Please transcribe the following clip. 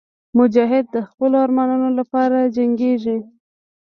مجاهد د خپلو ارمانونو لپاره جنګېږي.